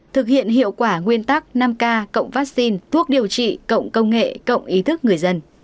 thực hiện hiệu quả nguyên tắc năm k cộng vaccine thuốc điều trị cộng công nghệ cộng ý thức người dân